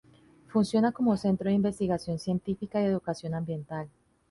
Funciona como centro de investigación científica y educación ambiental.